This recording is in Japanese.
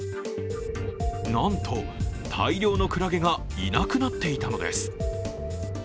なんと、大量のクラゲがいなくなっていたのです。